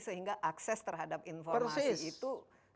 sehingga akses terhadap informasi itu